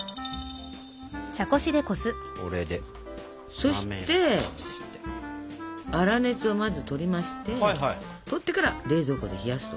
そして粗熱をまずとりましてとってから冷蔵庫で冷やすと。